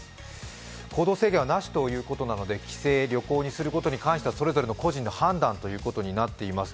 行動制限はなしということなので、帰省・旅行することに関してはそれぞれの個人の判断ということになっています。